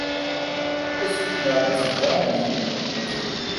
اس ہنگامے سے کیا امید؟